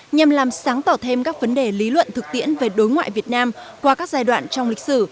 nhằm làm sáng tỏ thêm các vấn đề lý luận thực tiễn về đối ngoại việt nam qua các giai đoạn trong lịch sử